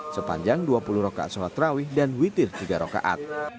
sepanjang dua puluh rokaat sholat rawih dan witir tiga rokaat